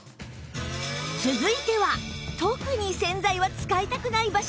続いては特に洗剤は使いたくない場所